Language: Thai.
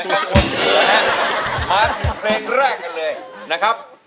แล้วเมื่อที่เพลงแรกกันเลยนะครับ